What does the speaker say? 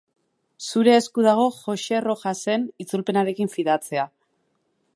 Zure esku dago Joxe Rojasen itzulpenarekin fidatzea.